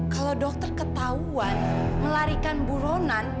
kalau dokter ketahuan melarikan buronan